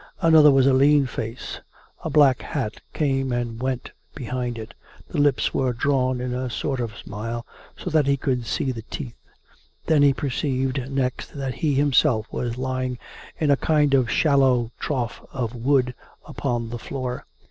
Another was a lean face; a black hat came and went behind it; the lips were drawn in a sort of smile, so that he could see the teeth. ... Then he perceived next that he himself was lying in a kind of shallow trough 44A COME RACK! COME ROPE! 447 of wood upon the floor.